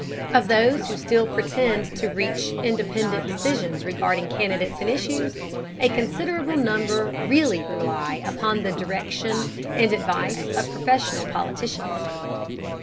Of those who still pretend to reach independent decisions regarding candidates and issues, a considerable number really rely upon the direction and advice of professional politicians.